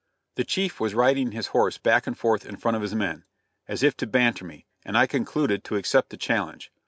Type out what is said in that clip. The chief was riding his horse back and forth in front of his men, as if to banter me, and I concluded to accept the challenge.